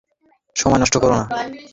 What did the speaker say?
সময় নষ্ট করো না।